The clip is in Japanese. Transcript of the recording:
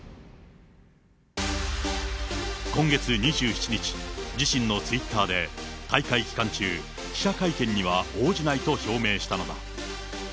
今月２７日、自身のツイッターで、大会期間中、記者会見には応じないと表明したのだ。